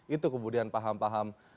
itu kemudian paham paham